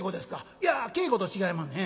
「いや稽古と違いまんねん。